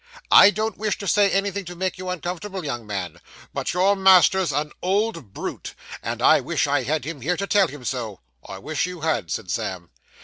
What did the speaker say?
I don't wish to say anything to make you uncomfortable, young man, but your master's an old brute, and I wish I had him here to tell him so.' I wish you had,' said Sam.